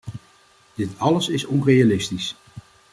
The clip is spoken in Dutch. Dit alles is onrealistisch.